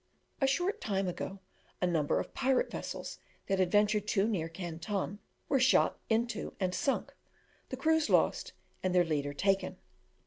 A short time ago, a number of pirate vessels that had ventured too near Canton, were shot into and sunk, the crews lost, and their leader taken.